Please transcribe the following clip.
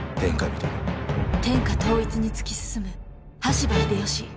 天下統一に突き進む羽柴秀吉。